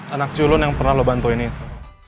anak culun yang pernah lo bantuin itu